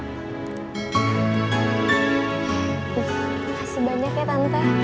kasih banyak ya tante